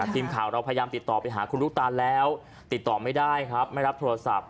เพียงทางเดียวนะครับ